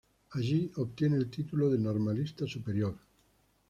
Allí obtiene el título de Normalista Superior.